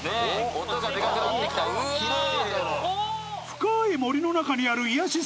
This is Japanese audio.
深い森の中にある癒やし